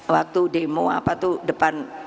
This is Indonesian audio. waktu demo apa tuh depan